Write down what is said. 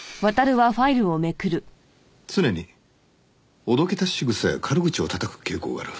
「常におどけた仕草や軽口をたたく傾向がある」